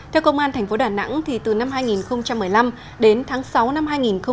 theo công an tp đà nẵng từ năm hai nghìn một mươi năm đến tháng sáu năm hai nghìn một mươi chín